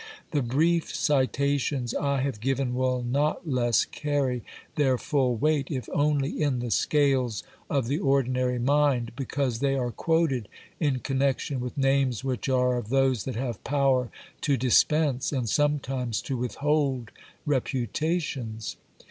The brief citations I have given will not less carry their full weight, if only in the scales of the ordinary mind, because they are quoted in connection with names which are of those that have power to dispense and sometimes to withhold reputations.